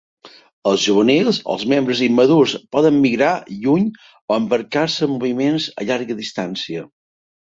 Els juvenils o els membres immadurs poden migrar lluny o embarcar-se en moviments a llarga distància.